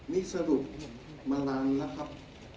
นี่สรุปมานานแล้วครับ